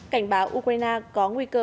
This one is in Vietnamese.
cảnh báo ukraine có nguy cơ mất